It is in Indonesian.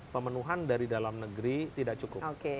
pemenuhan dari dalam negeri tidak cukup